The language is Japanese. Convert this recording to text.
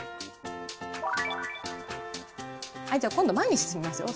はいじゃあ今度前に進みますよ。